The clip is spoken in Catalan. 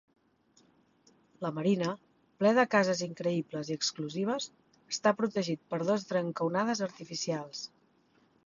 La marina, ple de cases increïbles i exclusives, està protegit per dos trencaonades artificials.